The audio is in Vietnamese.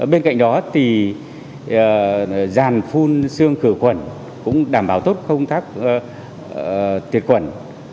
bên cạnh đó thì dàn phun xương khử khuẩn cũng đảm bảo tốt không thác tiệt khuẩn